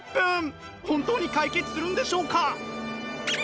本当に解決するんでしょうか？